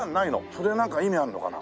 それはなんか意味あるのかな？